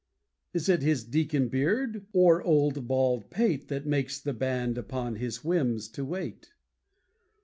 Is it his deacon beard, or old bald pate That makes the band upon his whims to wait?